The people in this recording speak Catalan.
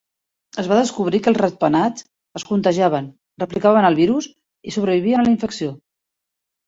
Es va descobrir que els ratpenats es contagiaven, replicaven el virus i sobrevivien a la infecció.